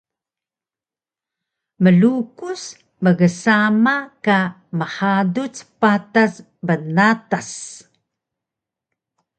Mlukus mgsama ka mhaduc patas bnatas